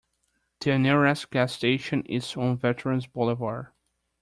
The nearest gas station is on Veterans Boulevard.